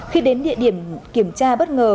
khi đến địa điểm kiểm tra bất ngờ